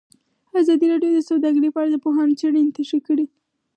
ازادي راډیو د سوداګري په اړه د پوهانو څېړنې تشریح کړې.